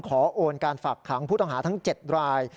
โอนการฝากขังผู้ต้องหาทั้ง๗ราย